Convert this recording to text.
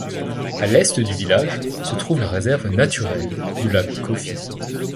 À l'est du village se trouve la réserve naturelle du lac Coffy.